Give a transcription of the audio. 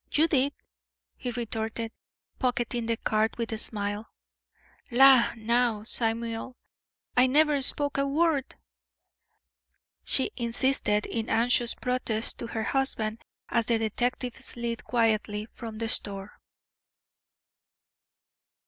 "You did," he retorted, pocketing the card with a smile. "La, now! Samuel, I never spoke a word," she insisted, in anxious protest to her husband, as the detective slid quietly from the store.